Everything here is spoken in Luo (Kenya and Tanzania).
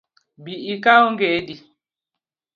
Bi ikaw ongedi